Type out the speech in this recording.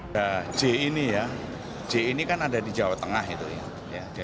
nah j ini ya j ini kan ada di jawa tengah itu ya